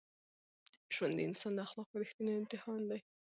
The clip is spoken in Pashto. ژوند د انسان د اخلاقو رښتینی امتحان دی.